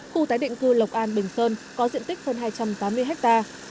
khu tái định cư lộc an bình sơn có diện tích hơn hai trăm tám mươi hectare